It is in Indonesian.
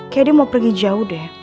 kayak dia mau pergi jauh deh